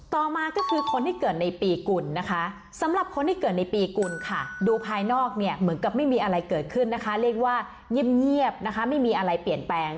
ต่อมาก็คือคนที่เกิดในปีกุลนะคะสำหรับคนที่เกิดในปีกุลค่ะดูภายนอกเนี่ยเหมือนกับไม่มีอะไรเกิดขึ้นนะคะเรียกว่าเงียบนะคะไม่มีอะไรเปลี่ยนแปลง